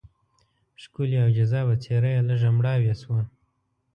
ښکلې او جذابه څېره یې لږه مړاوې شوه.